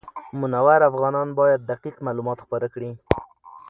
منور افغانان باید دقیق معلومات خپاره کړي.